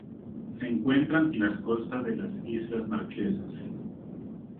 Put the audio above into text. Se encuentra en las costas de las Islas Marquesas.